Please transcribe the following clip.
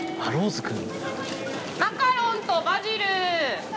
マカロンとバジル！